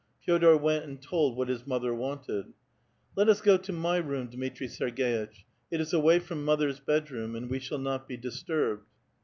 Fe6dor went and told what his mother wanted. " Let us go to my room, Dmitri Sergditch ; it is away from mother's bed room, and we shall not be disturbed."